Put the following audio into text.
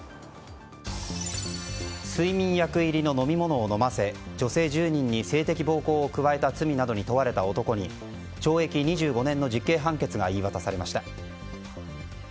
睡眠薬入りの飲み物を飲ませ女性１０人に性的暴行を加えた罪などに問われた男に懲役２５年の実刑判決が言い渡されました。